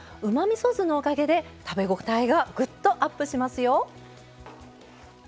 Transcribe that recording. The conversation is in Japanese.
みそ酢のおかげで食べ応えがぐっとアップしますよ。